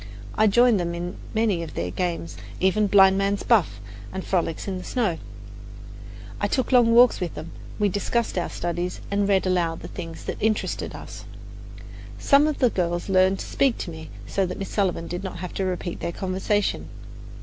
I joined them in many of their games, even blind man's buff and frolics in the snow; I took long walks with them; we discussed our studies and read aloud the things that interested us. Some of the girls learned to speak to me, so that Miss Sullivan did not have to repeat their conversation.